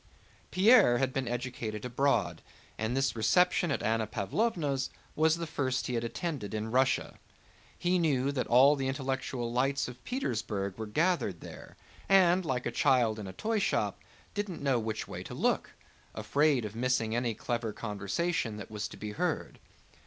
Pierre had been educated abroad, and this reception at Anna Pávlovna's was the first he had attended in Russia. He knew that all the intellectual lights of Petersburg were gathered there and, like a child in a toyshop, did not know which way to look, afraid of missing any clever conversation that was to be heard.